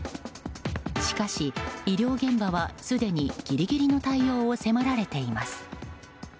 しかし、医療現場はすでにギリギリの対応を迫られています。